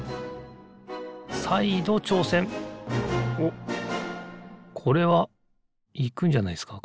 おっこれはいくんじゃないですか